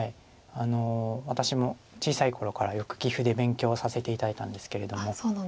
私も小さい頃からよく棋譜で勉強させて頂いたんですけれども。